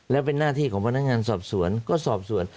แล้วเป็นหน้าที่ของพนักงานสอบสวนก็สอบสวน